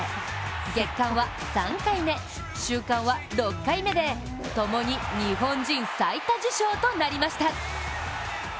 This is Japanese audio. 月間は３回目、週間は６回目でともに日本人最多受賞となりました。